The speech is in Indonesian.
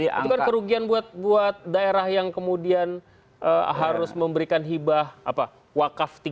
itu kan kerugian buat daerah yang kemudian harus memberikan hibah wakaf tiga lima bulan pemimpin